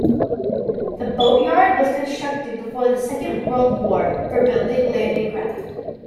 The boatyard was constructed before the Second World War for building landing craft.